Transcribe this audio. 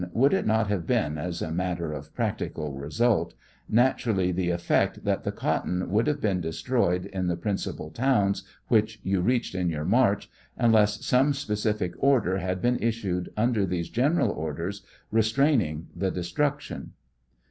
Would it not have been, as a matter of practical result, naturally the effect that the cotton would have been destroyed in the principal towns which you reach ed in your march, unless some specific order had been issued, under these general orders, restraining the destruction